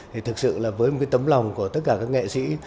thì thực sự là với một cái tấm lòng của tất cả các nghệ sĩ